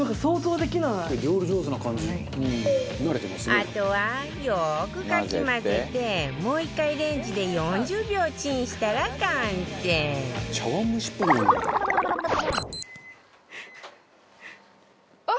あとはよーくかき混ぜてもう１回レンジで４０秒チンしたら完成「茶碗蒸しっぽい」ああ！